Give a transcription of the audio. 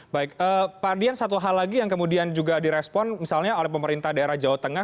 baik pak ardian satu hal lagi yang kemudian juga direspon misalnya oleh pemerintah daerah jawa tengah